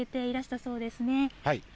そうです。